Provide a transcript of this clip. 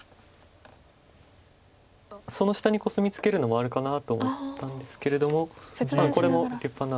その下にコスミツケるのもあるのかなと思ったんですけれどもこれも立派な。